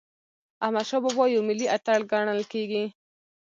احمدشاه بابا یو ملي اتل ګڼل کېږي.